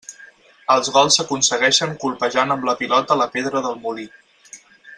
Els gols s'aconsegueixen colpejant amb la pilota la pedra del molí.